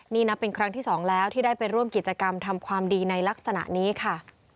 นี่นับเป็นครั้งที่สองแล้วที่ได้ไปร่วมกิจกรรมทำความดีในลักษณะนี้ค่ะ